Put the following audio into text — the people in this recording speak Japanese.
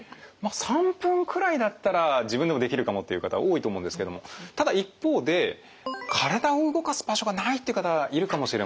３分くらいだったら自分でもできるかもっていう方多いと思うんですけどもただ一方で体を動かす場所がないって方いるかもしれません。